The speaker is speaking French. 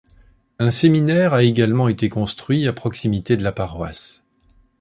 Un séminaire a également été construit à proximité de la paroisse.